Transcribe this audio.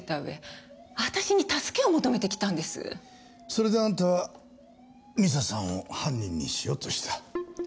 それであんたは美佐さんを犯人にしようとした。